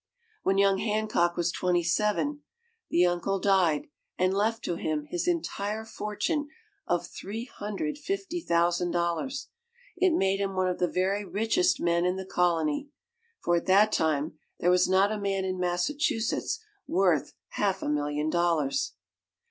When young Hancock was twenty seven, the uncle died, and left to him his entire fortune of three hundred fifty thousand dollars. It made him one of the very richest men in the Colony for at that time there was not a man in Massachusetts worth half a million dollars.